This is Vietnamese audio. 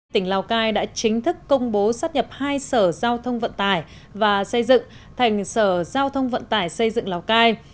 tỉnh lào cai đã chính thức công bố sát nhập hai sở giao thông vận tải và xây dựng thành sở giao thông vận tải xây dựng lào cai